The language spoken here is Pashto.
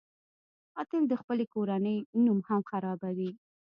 قاتل د خپلې کورنۍ نوم هم خرابوي